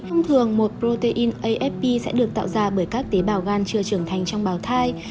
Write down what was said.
thông thường một protein afp sẽ được tạo ra bởi các tế bào gan chưa trưởng thành trong bào thai